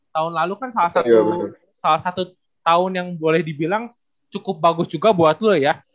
tahun lalu kan salah satu tahun yang boleh dibilang cukup bagus juga buat lo ya